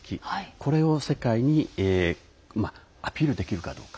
これを世界にアピールできるかどうか。